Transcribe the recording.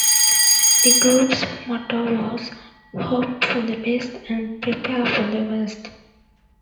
The group's motto was "hope for the best and prepare for the worst".